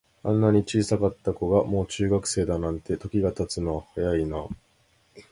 あんなに小さかった子が、もう中学生だなんて、時が経つのは早いなあ。